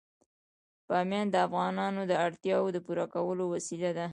بامیان د افغانانو د اړتیاوو د پوره کولو وسیله ده.